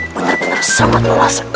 benar benar sangat melasak